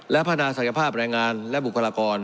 และพัฒนาศักยภาพแรงงานและบุคลากร